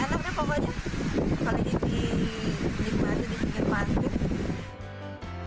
apalagi di jepang itu di pinggir mantan